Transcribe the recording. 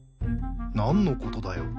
何のことだよ。